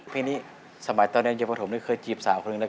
เพลงนี้สมัยตอนนี้ยังเพราะผมไม่เคยจีบสาวคนนั้น